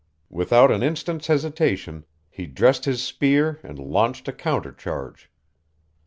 Without an instant's hesitation, he dressed his spear and launched a counter charge.